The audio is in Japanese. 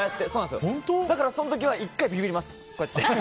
だからその時は１回、ビビります。